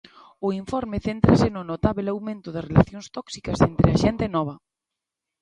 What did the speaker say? O informe céntrase no "notábel" aumento das relacións tóxicas entre a xente nova.